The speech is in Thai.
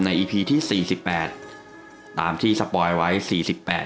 อีพีที่สี่สิบแปดตามที่สปอยไว้สี่สิบแปด